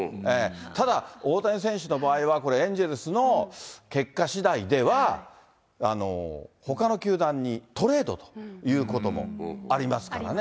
ただ、大谷選手の場合は、エンゼルスの結果しだいでは、ほかの球団にトレードということもありますからね。